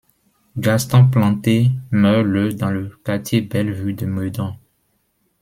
Gaston Planté meurt le dans le quartier Bellevue de Meudon.